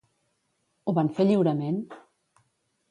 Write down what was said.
Ho van fer lliurement?